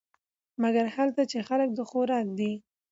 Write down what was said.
مګر هلته چې خلک د خوراک دي .